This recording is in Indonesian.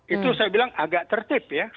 itu saya bilang agak tertib ya